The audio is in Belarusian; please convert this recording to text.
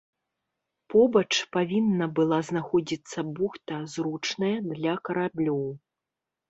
Побач павінна была знаходзіцца бухта, зручная для караблёў.